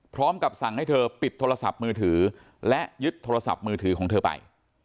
พร้อมกับสั่งให้เธอปิดโทรศัพท์มือถือและยึดโทรศัพท์มือถือของเธอไป